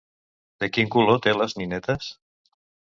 De quin color té les ninetes?